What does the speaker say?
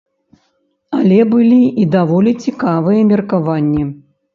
Але былі і даволі цікавыя меркаванні.